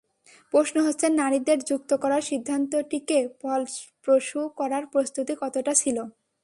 প্রশ্ন হচ্ছে নারীদের যুক্ত করার সিদ্ধান্তটিকে ফলপ্রসূ করার প্রস্তুতি কতটা ছিল।